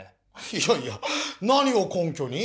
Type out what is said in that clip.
いやいや何を根きょに？